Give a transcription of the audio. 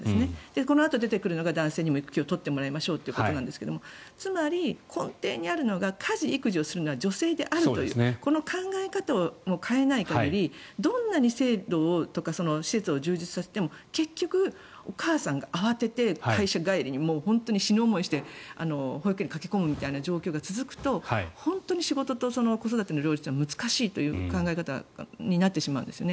このあと出てくるのが男性にも育休を取ってもらいましょうということですがつまり、根底にあるのが家事・育児をするのは女性であるというこの考え方を変えない限りどんなに制度とか施設を充実させても結局、お母さんが慌てて会社帰りに本当に死ぬ思いをして保育園に駆け込むみたいな状態が続くと本当に仕事と子育ての両立が難しいという考え方になってしまうんですよね。